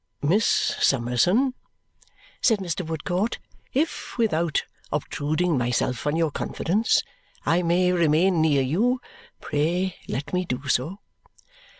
"Miss Summerson," said Mr. Woodcourt, "if without obtruding myself on your confidence I may remain near you, pray let me do so."